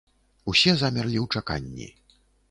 Усе замерлі ў чаканні.